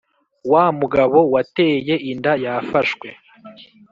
Wa mugabo wateye inda yafashwe